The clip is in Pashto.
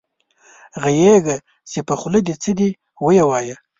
غږېږه چې په خولې دې څه دي وې وايه